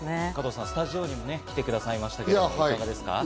スタジオにも来てくださいましたけど、いかがですか？